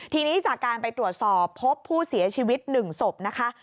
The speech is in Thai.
ทีนี้จากการไปตรวจสอบพบผู้เสียชีวิต๑ศพนะคะ